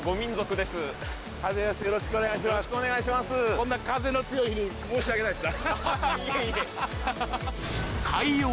こんな風の強い日に、申し訳ないですな。